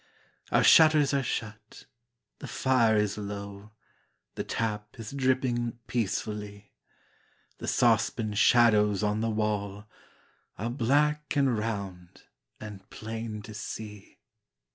Our shutters are shut, the fire is low, The tap is dripping peacefully; The saucepan shadows on the wall Are black and round and plain to see.